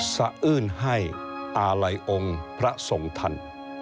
สะอื้นให้อาลัยองค์พระทรงทัน